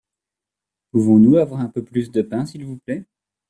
Pouvons-nous avoir un peu plus de pain s'il vous plait ?